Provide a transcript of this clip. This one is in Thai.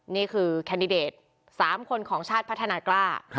แคนดิเดต๓คนของชาติพัฒนากล้า